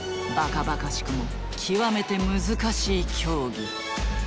ばかばかしくも極めて難しい競技。